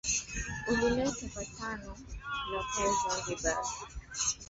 ulileta patano la kuwa Zanzibar itakuwa chini ya Uingereza